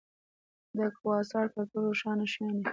د کواسار تر ټولو روښانه شیان دي.